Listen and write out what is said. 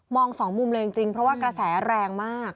สองมุมเลยจริงเพราะว่ากระแสแรงมาก